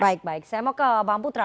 baik baik saya mau ke bang putra